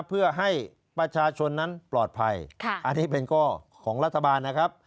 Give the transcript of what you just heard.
เพื่อให้ประชาชนนั้นปลอดภัยอันนี้เป็นข้อของรัฐบาลนะครับ